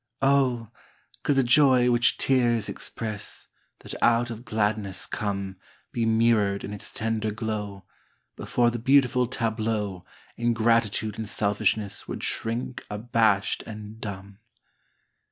Oh, could the joy which tears express That out of gladness come Be mirrored in its tender glow, Before the beautiful tableau Ingratitude and selfishness Would shrink abashed and dumb!